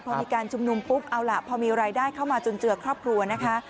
พอมีการชุมนุมปุ๊บเอาล่ะพอมีรายได้เข้ามาจุนเจือครอบครัวนะคะ